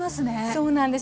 そうなんです。